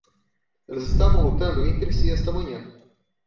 Eles estavam lutando entre si esta manhã.